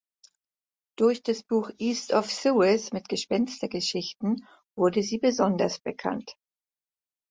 Durch das Buch "East of Suez" mit Gespenstergeschichten wurde sie besonders bekannt.